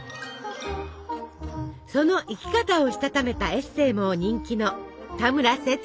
その生き方をしたためたエッセイも人気の田村セツコさん。